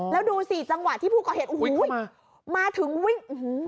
แล้วดูสิจังหวะที่ผู้ก่อเหตุโอ้โหมาถึงวิ่ง